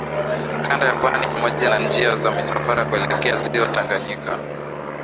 Kanda ya pwani pamoja na njia za misafara kuelekea Ziwa Tanganyika